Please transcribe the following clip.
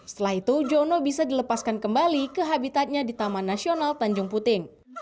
setelah itu jono bisa dilepaskan kembali ke habitatnya di taman nasional tanjung puting